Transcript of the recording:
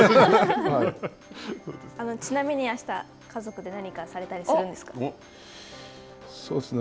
ちなみにあした家族で何かされたりするんですか。